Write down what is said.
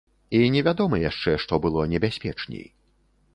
І невядома яшчэ, што было небяспечней.